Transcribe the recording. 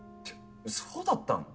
そうだったの？